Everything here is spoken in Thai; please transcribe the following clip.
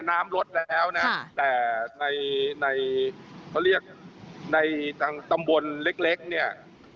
น้ำลดแล้วนะแต่ในในเขาเรียกในทางตำบลเล็กเล็กเนี่ย